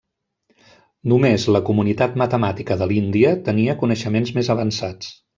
Només la comunitat matemàtica de l'Índia tenia coneixements més avançats.